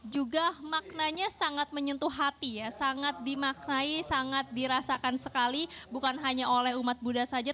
juga maknanya sangat menyentuh hati ya sangat dimaknai sangat dirasakan sekali bukan hanya oleh umat buddha saja